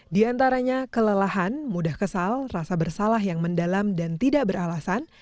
di antaranya kelelahan mudah kesal rasa bersalah yang mendalam dan tidak beralasan